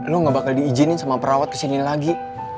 nuh gak bakal diizinin sama perawat kesini lagi